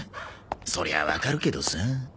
そりゃあわかるけどさ。